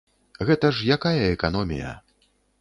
Гэта ж якая эканомія!